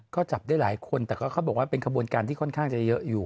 ก็จับได้หลายคนแต่ก็เขาบอกว่าเป็นขบวนการที่ค่อนข้างจะเยอะอยู่